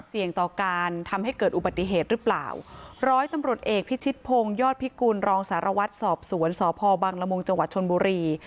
ต่อการทำให้เกิดอุบัติเหตุหรือเปล่าร้อยตำรวจเอกพิชิตพงศ์ยอดพิกุลรองสารวัตรสอบสวนสพบังละมุงจังหวัดชนบุรี